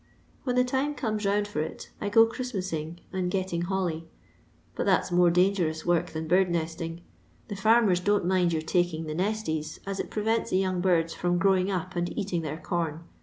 When the time comes round for it, I go Christmasing and getting holly, but that's more dangerous work than bird nesting; the farmers don't mind your taking the nesties, as it prevents the young birds from growing up and eating their corn.